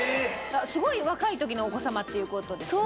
すごい若い時のお子様っていう事ですね。